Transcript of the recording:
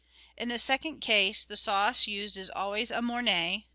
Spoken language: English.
In the second case, the sauce used is always a Mornay (No.